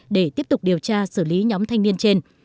để tiếp tục điều tra xử lý nhóm thanh niên trên